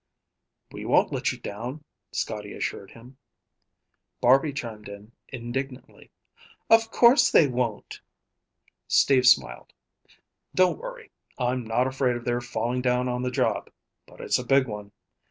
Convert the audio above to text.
"We won't let you down," Scotty assured him. Barby chimed in indignantly, "Of course they won't." Steve smiled. "Don't worry. I'm not afraid of their falling down on the job. But it's a big one.